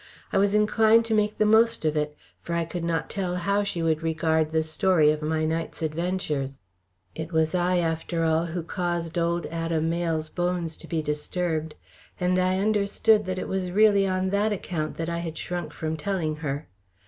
I was inclined to make the most of it, for I could not tell how she would regard the story of my night's adventures. It was I after all who caused old Adam Mayle's bones to be disturbed; and I understood that it was really on that account that I had shrunk from telling her.